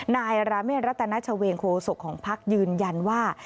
นายราเมฆรัตนชเวงโคศกของพักยืนยันว่า